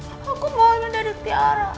aku mohon dari tiara